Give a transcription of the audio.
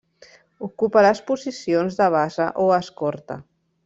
Ocupa les posicions de base o escorta.